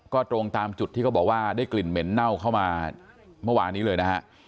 ก็ตรงตามจุดที่เขาบอกว่าได้กลิ่นเหม็นเน่าเข้ามาเมื่อวานนี้เลยนะฮะ